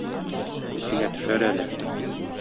Исеңә төшәр әле...